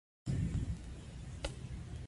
هغوی یوځای د روښانه بام له لارې سفر پیل کړ.